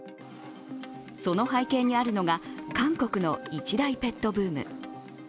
その背景にあるのが韓国の一大ペットブーム。